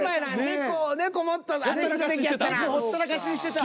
ネコほったらかしにしてた。